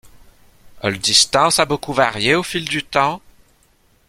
La distance a beaucoup varié au fil du temps.